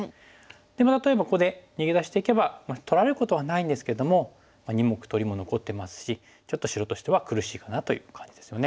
で例えばここで逃げ出していけば取られることはないんですけども２目取りも残ってますしちょっと白としては苦しいかなという感じですよね。